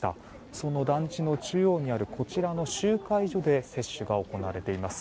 その団地の中央にあるこちらの集会所で接種が行われています。